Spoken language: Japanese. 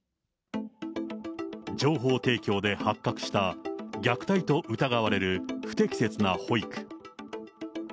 情報提供で発覚した、虐待と疑われる不適切な保育。